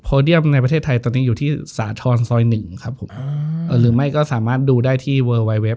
เดียมในประเทศไทยตอนนี้อยู่ที่สาธรณ์ซอยหนึ่งครับผมหรือไม่ก็สามารถดูได้ที่เวอร์ไวเว็บ